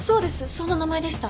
そんな名前でした。